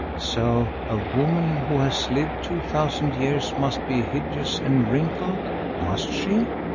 So a woman who has lived two thousand years must be hideous and wrinkled, must she?